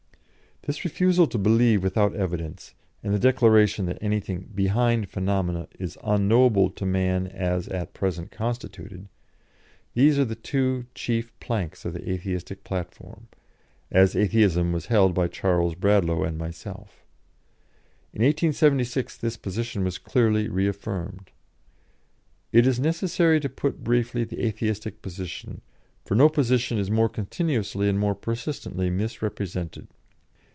' This refusal to believe without evidence, and the declaration that anything "behind phenomena" is unknowable to man as at present constituted these are the two chief planks of the Atheistic platform, as Atheism was held by Charles Bradlaugh and myself. In 1876 this position was clearly reaffirmed. "It is necessary to put briefly the Atheistic position, for no position is more continuously and more persistently misrepresented.